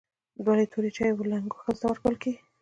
ولي توري چای و لنګو ښځو ته ورکول کیږي؟